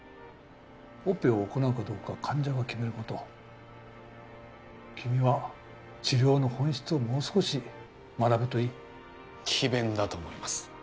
オペを行うかどうかは患者が決めること君は治療の本質をもう少し学ぶといい詭弁だと思います